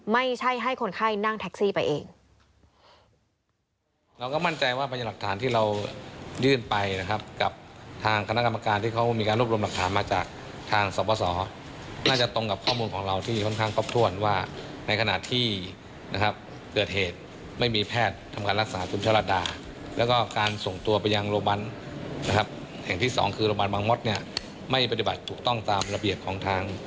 ไม่ใช่ให้คนไข้นั่งแท็กซี่ไปเอง